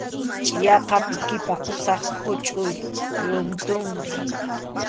Chʼiyaqa pikipa usap huchʼuy runtunmi.